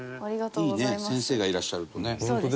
いいね先生がいらっしゃるとね。